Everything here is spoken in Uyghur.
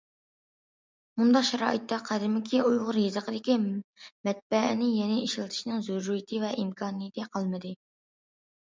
مۇنداق شارائىتتا قەدىمكى ئۇيغۇر يېزىقىدىكى مەتبەئەنى يەنە ئىشلىتىشنىڭ زۆرۈرىيىتى ۋە ئىمكانىيىتى قالمىدى.